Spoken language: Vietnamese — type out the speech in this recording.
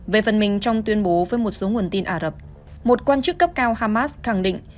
về phần mình trong tuyên bố với một số nguồn tin ả rập một quan chức cấp cao hamas khẳng định